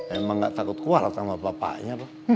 emang gak takut kual sama bapaknya